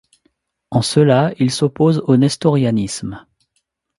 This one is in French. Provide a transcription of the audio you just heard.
En cela il s'oppose au nestorianisme.